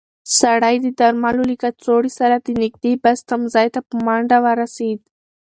سړی د درملو له کڅوړې سره د نږدې بس تمځای ته په منډه ورسېد.